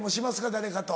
誰かと。